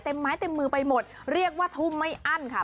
ไม้เต็มมือไปหมดเรียกว่าทุ่มไม่อั้นค่ะ